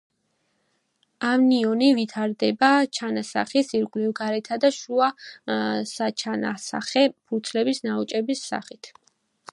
ამნიონი ვითარდება ჩანასახის ირგვლივ, გარეთა და შუა საჩანასახე ფურცლების ნაოჭების სახით.